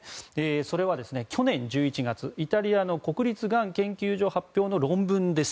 それは、去年１１月イタリアの国立がん研究所発表の論文です。